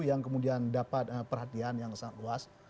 yang kemudian dapat perhatian yang sangat luas